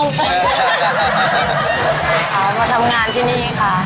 มาทำงานที่นี่ค่ะ